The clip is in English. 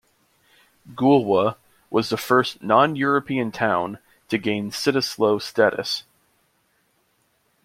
Goolwa was the first non-European town to gain Cittaslow status.